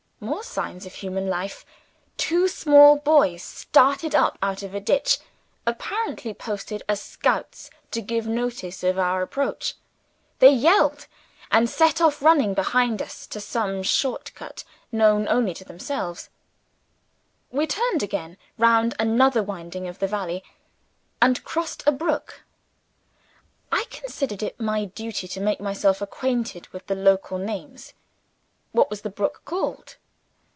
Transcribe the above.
More signs of human life. Two small boys started up out of a ditch apparently posted as scouts to give notice of our approach. They yelled, and set off running before us, by some short cut, known only to themselves. We turned again, round another winding of the valley, and crossed a brook. I considered it my duty to make myself acquainted with the local names. What was the brook called?